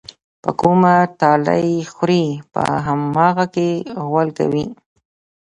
په کومه تالې خوري، په هماغه کې غول کوي.